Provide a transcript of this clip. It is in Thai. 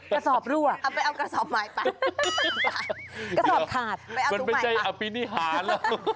กระสอบรั่วเอาไปเอากระสอบใหม่ไปกระสอบขาดไม่ใช่อภินิหาร